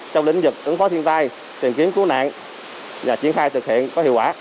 trong lĩnh vực ứng phó thiên tai tìm kiếm cứu nạn và triển khai thực hiện có hiệu quả